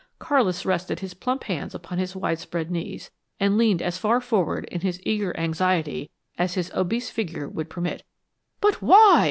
Carlis rested his plump hands upon his widespread knees, and leaned as far forward, in his eager anxiety, as his obese figure would permit. "But why?"